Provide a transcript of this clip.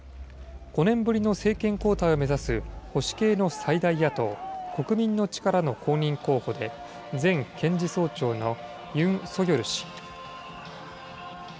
５年ぶりの政権交代を目指す保守系の最大野党・国民の力の公認候補で、前検事総長のユン・ソギョル氏。